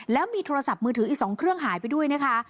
แล้วมีโทรศัพท์มือถืออีก๒เครื่องหายไปด้วยนะคะ